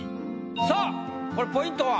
さあこれポイントは？